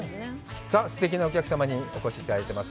さあ、すてきなお客様にお越しいただいています。